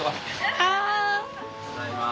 ただいま。